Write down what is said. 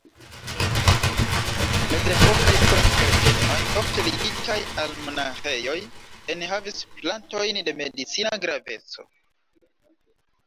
Mezepokaj kurac-ĝardenoj, ofte ligitaj al monaĥejoj, enhavis plantojn de medicina graveco.